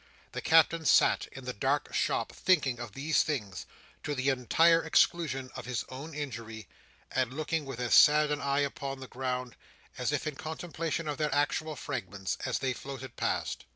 The Captain sat in the dark shop, thinking of these things, to the entire exclusion of his own injury; and looking with as sad an eye upon the ground, as if in contemplation of their actual fragments, as they floated past.